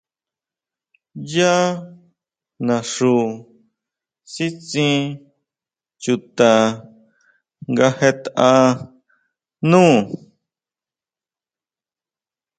Yá naxu sítsin chuta nga jetʼa nú.